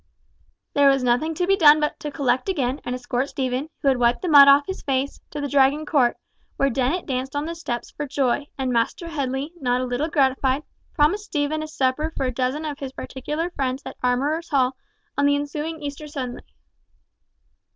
There was nothing to be done but to collect again, and escort Stephen, who had wiped the mud off his face, to the Dragon court, where Dennet danced on the steps for joy, and Master Headley, not a little gratified, promised Stephen a supper for a dozen of his particular friends at Armourers' Hall on the ensuing Easter Sunday.